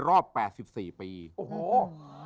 โหลดแล้วยัง